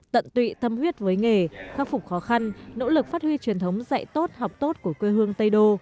tận tụy tâm huyết với nghề khắc phục khó khăn nỗ lực phát huy truyền thống dạy tốt học tốt của quê hương tây đô